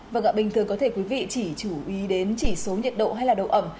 vâng ạ bình thường có thể quý vị chỉ chú ý đến chỉ số nhiệt độ hay là độ ẩm